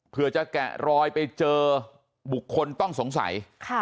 เพื่อจะแกะรอยไปเจอบุคคลต้องสงสัย